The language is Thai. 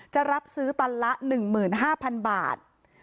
จะรับซื้อตันละ๑๕๐๐๐บาท